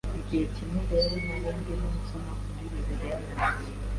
Igihe kimwe rero nari ndimo nsoma muri Bibiliya yanjye